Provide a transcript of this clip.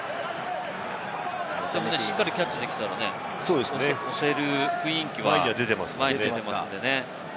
でもしっかりキャッチできていたらね、押せる雰囲気は前に出ていますんでね。